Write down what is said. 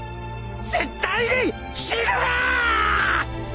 絶対に死ぬな！